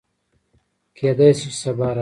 کېدی شي چې سبا راشي